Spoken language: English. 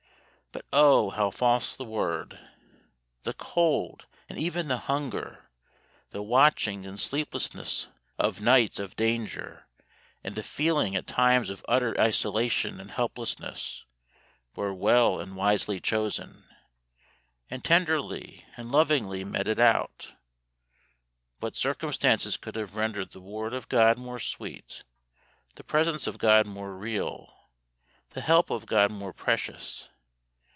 But oh, how false the word! The cold, and even the hunger, the watchings and sleeplessness of nights of danger, and the feeling at times of utter isolation and helplessness, were well and wisely chosen, and tenderly and lovingly meted out. What circumstances could have rendered the Word of GOD more sweet, the presence of GOD more real, the help of GOD more precious?